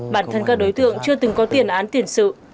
bản thân các đối tượng chưa từng có tiền án tiền sự